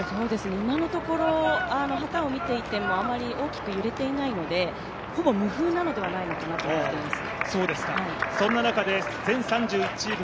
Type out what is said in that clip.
今のところ旗を見ていてもあまり大きく揺れていないのでほぼ無風なのではないかなと思います。